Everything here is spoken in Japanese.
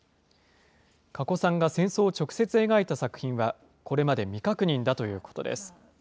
かこさんが戦争を直接描いた作品は、これまで未確認だということです。